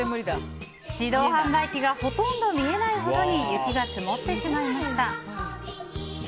自動販売機がほとんど見えないほどに雪が積もってしまいました。